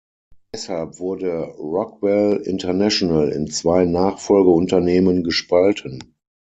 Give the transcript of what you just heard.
Deshalb wurde Rockwell International in zwei Nachfolgeunternehmen gespalten.